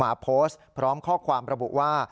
มาโพสต์พร้อมข้อความระบุว่า